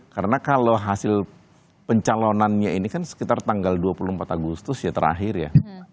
karena kalau hasil pencalonannya ini kan sekitar tanggal dua puluh empat agustus ya terakhir ya